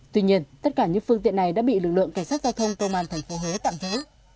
tuy nhiên tất cả những phương tiện này đã bị lực lượng cảnh sát giao thông công an tp huế tạm giữ